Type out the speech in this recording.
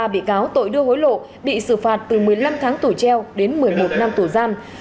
ba bị cáo tội đưa hối lộ bị xử phạt từ một mươi năm tháng tù treo đến một mươi một năm tù giam